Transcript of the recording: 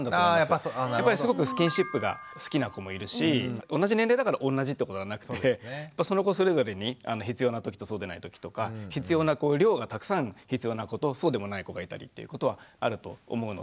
すごくスキンシップが好きな子もいるし同じ年齢だからおんなじってことはなくてその子それぞれに必要な時とそうでない時とか必要なこう量がたくさん必要な子とそうでもない子がいたりっていうことはあると思うので。